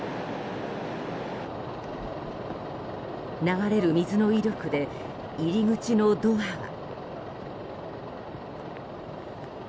流れる水の威力で入り口のドアは。